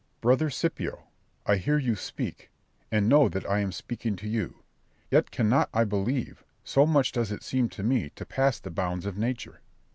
Berg. Brother Scipio, I hear you speak, and know that I am speaking to you; yet cannot I believe, so much does it seem to me to pass the bounds of nature.